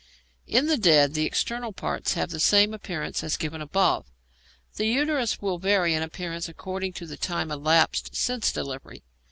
In the dead the external parts have the same appearance as given above. The uterus will vary in appearance according to the time elapsed since delivery.